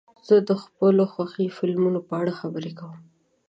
زه د خپلو خوښې فلمونو په اړه خبرې کوم.